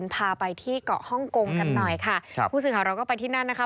พาไปที่เกาะฮ่องกงกันหน่อยค่ะค่ะพูดสึกค่ะเราก็ไปที่นั่นนะครับ